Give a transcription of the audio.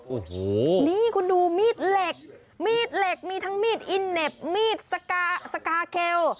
โอ้โหนี่คุณดูมีดเหล็กมีดเหล็กมีทั้งมีดอินเน็บมีดสกาเคล